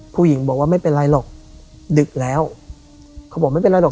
ผู้หญิงบอกว่าไม่เป็นไรหรอกดึกแล้วเขาบอกไม่เป็นไรหรอก